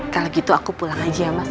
kalau gitu aku pulang aja ya mas